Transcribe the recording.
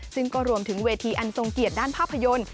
ซึ่งก็รวมถึงเวทีอันทรงเกียรติด้านภาพยนตร์